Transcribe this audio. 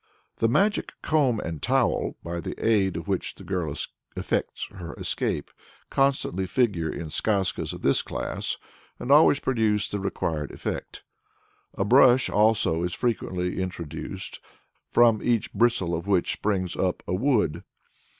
The magic comb and towel, by the aid of which the girl effects her escape, constantly figure in Skazkas of this class, and always produce the required effect. A brush, also, is frequently introduced, from each bristle of which springs up a wood.